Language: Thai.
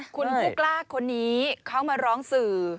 คุณผู้กล้าคนนี้เขามาร้องสื่อ